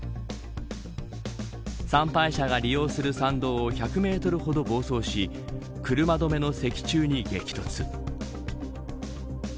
参拝者が利用する参道を１００メートルほど暴走し車止めの石柱に激突。